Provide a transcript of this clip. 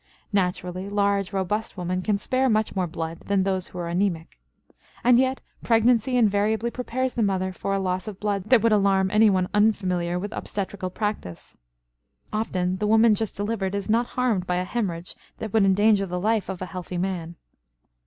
Naturally, large, robust women can spare much more blood than those who are anemic. And yet pregnancy invariably prepares the mother for a loss of blood that would alarm anyone unfamiliar with obstetrical practice. Often the woman just delivered is not harmed by a hemorrhage that would endanger the life of a healthy man.